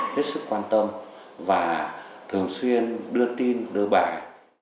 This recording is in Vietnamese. hết sức quan tâm và thường xuyên đưa tin đơn bài